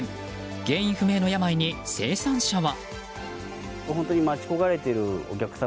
原因不明の病に生産者は。